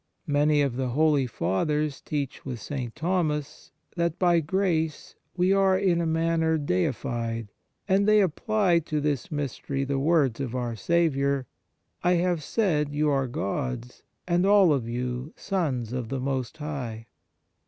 1 Many of the holy Fathers teach with St. Thomas that by grace we are in a manner deified, and they apply to this mystery the words of our Saviour: " I have said you are gods, and all of you sons of the most High."